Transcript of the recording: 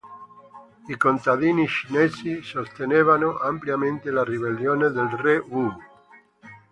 I contadini cinesi sostenevano ampiamente la ribellione del re Wu.